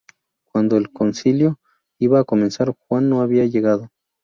Cuando el concilio iba a comenzar, Juan no había llegado.